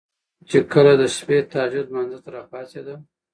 چې کله د شپې تهجد لمانځه ته را پاڅيدل